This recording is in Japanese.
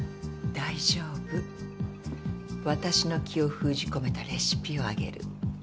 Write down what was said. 大丈夫私の気を封じ込めたレシピをあげる。